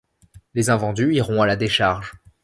Les invendus iront à la décharge.